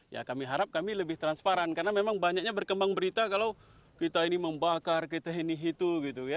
ya kami harap kami lebih transparan karena memang banyaknya berkembang berita kalau kita ini membakar kita ini itu gitu ya